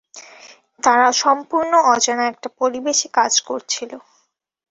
তারা সম্পূর্ণ অজানা একটা পরিবেশে কাজ করছিল।